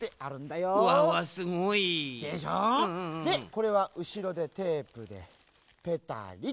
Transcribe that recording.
これはうしろでテープでペタリと。